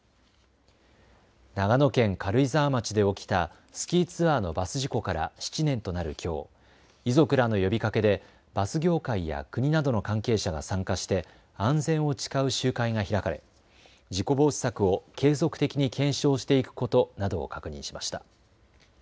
長野県軽井沢町で起きたスキーツアーのバス事故から７年となるきょう、遺族らの呼びかけでバス業界や国などの関係者が参加して安全を誓う集会が開かれ事故防止策を継続的に検証していくことなどを確認しました。